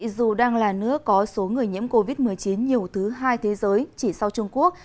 dù đang là nước có số người nhiễm covid một mươi chín nhiều thứ hai thế giới chỉ sau trung quốc